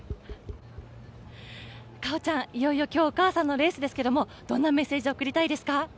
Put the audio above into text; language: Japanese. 果緒ちゃん、いよいよ今日、お母さんのレースですけど、どんなメッセージを送りたいですか？